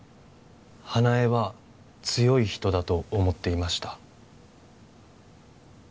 花枝は強い人だと思っていました